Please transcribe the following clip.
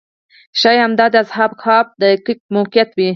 ښایي همدا د اصحاب کهف دقیق موقعیت وي.